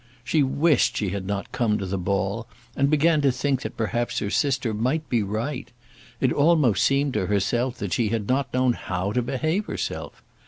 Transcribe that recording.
She wished she had not come to the ball, and began to think that perhaps her sister might be right. It almost seemed to herself that she had not known how to behave herself.